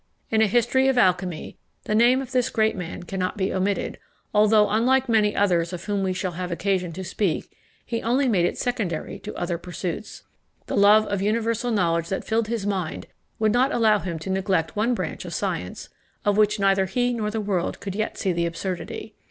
In a history of alchymy, the name of this great man cannot be omitted, although unlike many others of whom we shall have occasion to speak, he only made it secondary to other pursuits. The love of universal knowledge that filled his mind, would not allow him to neglect one branch of science, of which neither he nor the world could yet see the absurdity.